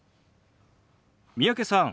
三宅さん